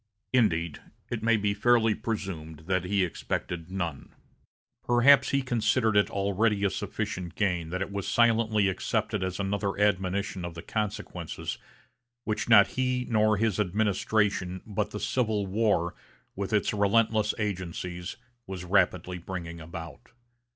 Indeed, it may be fairly presumed that he expected none. Perhaps he considered it already a sufficient gain that it was silently accepted as another admonition of the consequences which not he nor his administration, but the Civil War, with its relentless agencies, was rapidly bringing about.